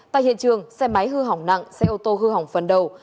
tại hiện trường xe máy hư hỏng nặng xe ô tô hư hỏng phần đầu